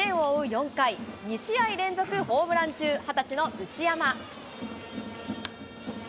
４回、２試合連続ホームラン中、２０歳の内山。